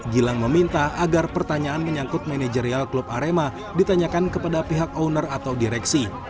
gilang meminta agar pertanyaan menyangkut manajerial klub arema ditanyakan kepada pihak owner atau direksi